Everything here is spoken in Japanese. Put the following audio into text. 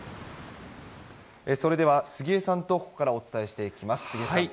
それでは杉江さんと、ここからはお伝えしていきます、杉江さん。